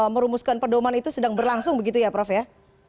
merumuskan pedoman itu sedang berlangsung begitu ya prof ya